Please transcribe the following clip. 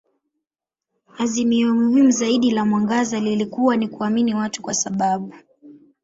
Azimio muhimu zaidi la mwangaza lilikuwa ni kuamini watu kwa sababu.